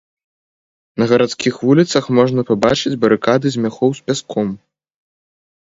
На гарадскіх вуліцах можна пабачыць барыкады з мяхоў з пяском.